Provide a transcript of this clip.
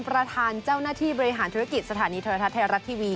ประธานเจ้าหน้าที่บริหารธุรกิจสถานีโทรทัศน์ไทยรัฐทีวี